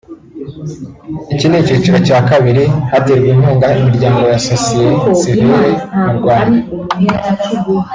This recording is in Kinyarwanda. Iki ni ikiciro cya kabiri haterwa inkunga imiryango ya Sosiye sivile mu Rwanda